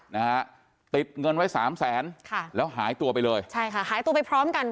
นะฮะติดเงินไว้สามแสนค่ะแล้วหายตัวไปเลยใช่ค่ะหายตัวไปพร้อมกัน